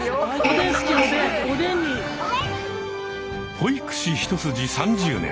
保育士一筋３０年。